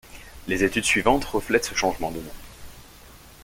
Les études suivantes reflètent ce changement de nom.